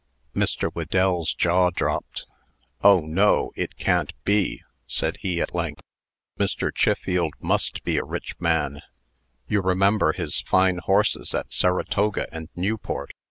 Mr. Whedell's jaw dropped. "Oh, no! it can't be," said he, at length. "Mr. Chiffield must be a rich man. You remember his fine horses at Saratoga and Newport.